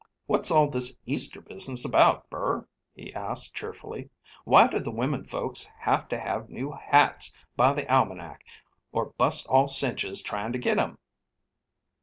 "What's all this Easter business about, Burr?" he asked, cheerfully. "Why do the women folks have to have new hats by the almanac or bust all cinches trying to get 'em?"